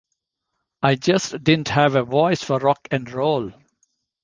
I just didn't have a voice for rock 'n' roll.